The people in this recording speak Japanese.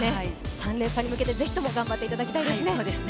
３連覇に向けて、ぜひとも頑張っていただきたいですね。